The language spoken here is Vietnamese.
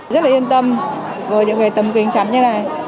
rất là yên tâm với những cái tấm kính chắn như này